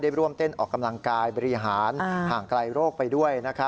ร่วมเต้นออกกำลังกายบริหารห่างไกลโรคไปด้วย